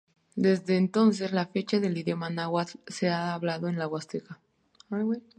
Desde entonces hasta la fecha el idioma náhuatl ha sido hablado en la Huasteca.